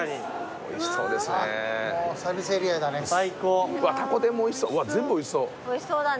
おいしそうだね。